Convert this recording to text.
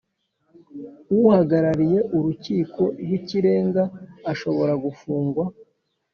Uhagarariye Urukiko rw Ikirenga ashobora gufungwa